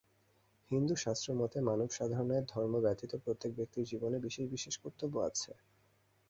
হিন্দুশাস্ত্রমতে মানব-সাধারণের ধর্ম ব্যতীত প্রত্যেক ব্যক্তির জীবনে বিশেষ বিশেষ কর্তব্য আছে।